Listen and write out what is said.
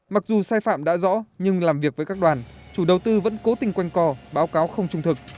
mặc dù sai phạm đã rõ nhưng làm việc với các đoàn chủ đầu tư vẫn cố tình quanh co báo cáo không trung thực